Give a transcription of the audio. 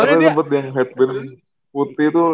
karena sempet yang headband putih tuh